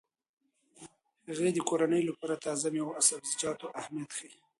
هغې د کورنۍ لپاره د تازه میوو او سبزیجاتو اهمیت ښيي.